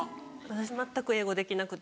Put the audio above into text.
私全く英語できなくて。